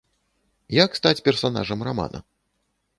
Як стаць персанажам рамана?